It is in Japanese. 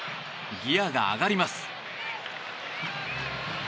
ギアが上がります。